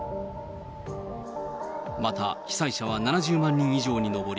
また、被災者は７０万人以上に上り、